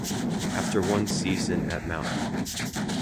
After one season at Mt.